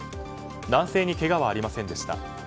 男性にけがはありませんでした。